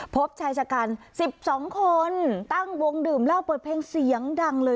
พบชายชะกัน๑๒คนตั้งวงดื่มเหล้าเปิดเพลงเสียงดังเลย